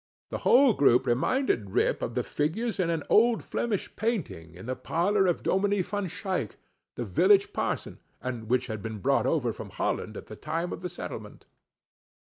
The whole group reminded Rip of the figures in an old Flemish painting, in the parlor of Dominie Van[Pg 10] Shaick, the village parson, and which had been brought over from Holland at the time of the settlement.